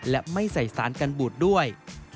และไม่ใส่สารกันบูดด้วย